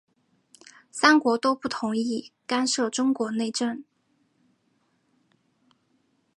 三国都同意不干涉中国内政。